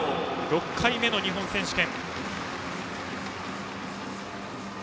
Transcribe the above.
６回目の日本選手権。